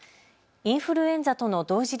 インフルエンザとの同時